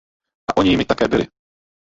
A oni jimi také byli.